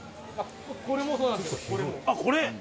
これもそうなんですけど。